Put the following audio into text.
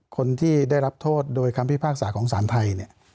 คนที่ได้รับโทษโดยคำพิพากษาของสารไทยเนี่ย